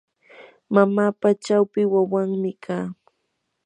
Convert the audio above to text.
mamapa chawpi wawanmi kaa.